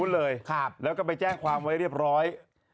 แล้วก็ไปแจ้งความไว้เรียบร้อย